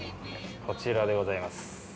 こちらでございます。